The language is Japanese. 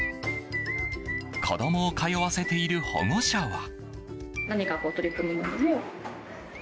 子供を通わせている保護者は。